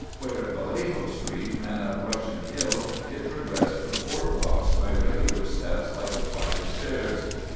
Where Vallejo street ran up Russian Hill it progressed for four blocks by regular steps like a flight of stairs.